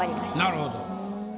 なるほど。